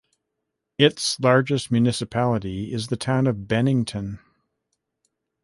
Its largest municipality is the town of Bennington.